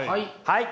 はい。